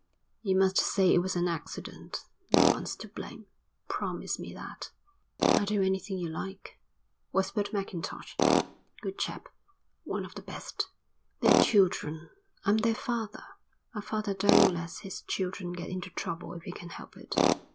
"You must say it was an accident. No one's to blame. Promise me that." "I'll do anything you like," whispered Mackintosh. "Good chap. One of the best. They're children. I'm their father. A father don't let his children get into trouble if he can help it."